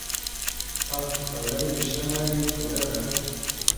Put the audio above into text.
تا کی تۆلݷ میشنئوۂ ای تۉرۂ رۂ